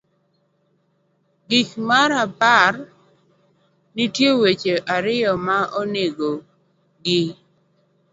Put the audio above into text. giko mar paro .nitie weche ariyo ma onego ng'i.